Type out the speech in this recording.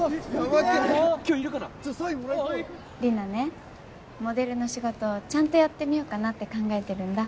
リナねモデルの仕事ちゃんとやってみようかなって考えてるんだ。